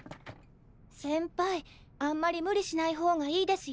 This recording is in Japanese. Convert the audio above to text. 先輩あんまり無理しない方がいいですよ。